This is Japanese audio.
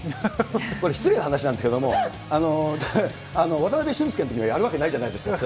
これ、失礼な話なんですけれども、わたなべしゅんすけのときもやるわけないじゃないですか。